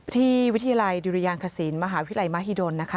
วิทยาลัยดุรยางคศิลปมหาวิทยาลัยมหิดลนะคะ